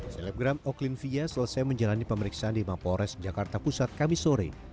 selebgram oklin fia selesai menjalani pemeriksaan di mapores jakarta pusat kamis sore